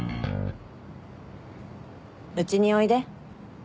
うちにおいで。